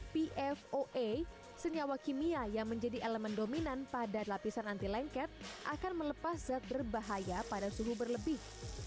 pfoa senyawa kimia yang menjadi elemen dominan pada lapisan anti lengket akan melepas zat berbahaya pada suhu berlebih